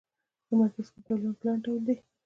د مایکروسکوپ ډولونه په لاندې ډول دي.